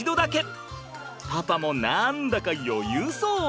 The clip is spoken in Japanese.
パパもなんだか余裕そう！